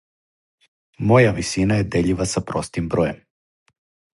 Моја висина је дељива са простим бројем.